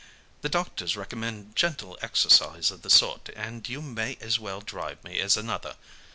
The doctors recommend gentle exercise of the sort, and you may as well drive me as another.